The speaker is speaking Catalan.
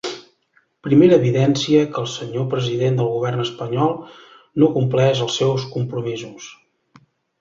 Primera evidència que el senyor president del govern espanyol no compleix els seus compromisos.